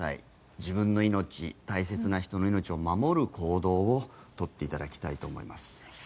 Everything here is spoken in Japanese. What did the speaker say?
自分の命、大切な人の命を守る行動を取っていただきたいと思います。